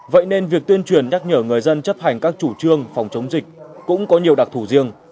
vậy nên việc tuyên truyền nhắc nhở người dân chấp hành các chủ trương phòng chống dịch cũng có nhiều đặc thù riêng